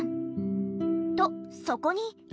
とそこに。